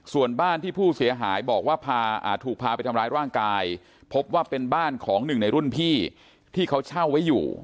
ส่วนบ้านที่ผู้เสียหายบอกว่าพาถูกพาไปทำร้ายร่างกายพบว่าเป็นบ้านของหนึ่งในรุ่นพี่ที่เขาเช่าไว้อยู่